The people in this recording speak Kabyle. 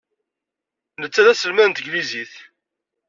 Netta d aselmad n tanglizit.